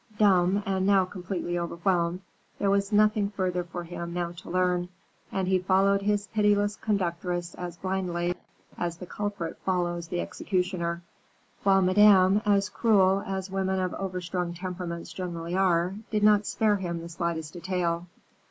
Dumb, and now completely overwhelmed, there was nothing further for him now to learn, and he followed his pitiless conductress as blindly as the culprit follows the executioner; while Madame, as cruel as women of overstrung temperaments generally are, did not spare him the slightest detail.